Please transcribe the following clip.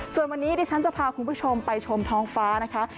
ส่วนวันนี้ดิฉันจะพาคุณผู้ชมไปชมท้องฟ้านะคะ